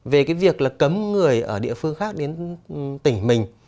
về cái việc là cấm người ở địa phương khác đến tỉnh mình